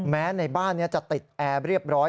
แม้ในบ้านจะติดแอร์เรียบร้อย